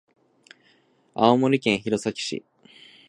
青森県弘前市